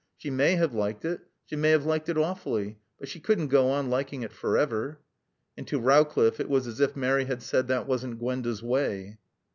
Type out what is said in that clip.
She may have liked it. She may have liked it awfully. But she couldn't go on liking it forever." And to Rowcliffe it was as if Mary had said that wasn't Gwenda's way.